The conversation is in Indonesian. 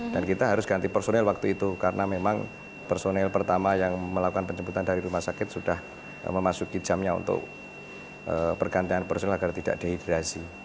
dan kita harus ganti personel waktu itu karena memang personel pertama yang melakukan penjemputan dari rumah sakit sudah memasuki jamnya untuk pergantian personel agar tidak dehidrasi